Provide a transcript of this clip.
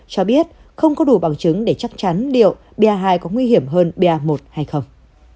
cho biết không có đủ bằng chứng để chắc chắn liệu ba hai có nguy hiểm hơn ba một hay không